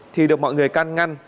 thì được mọi người can ngăn